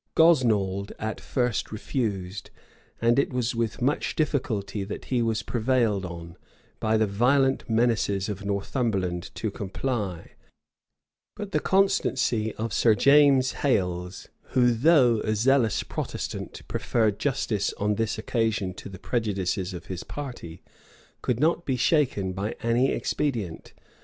Gosnald at first refused; and it was with much difficulty that he was prevailed on, by the violent menaces of Northumberland to comply; but the constancy of Sir James Hales, who, though a zealous Protestant, preferred justice on this occasion to the prejudices of his party, could not be shaken by any expedient.